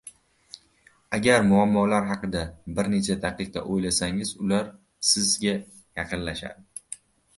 Agar muammolar haqida birnecha daqiqa oʻylasangiz, ular sizga yaqinlashadi.